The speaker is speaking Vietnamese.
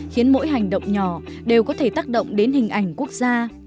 khiến mỗi hành động nhỏ đều có thể tác động đến hình ảnh quốc gia